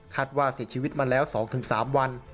ว่าเสียชีวิตมาแล้ว๒๓วัน